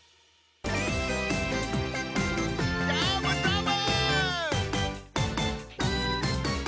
どーもどーも！